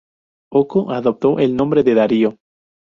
Oco adoptó el nombre de Darío.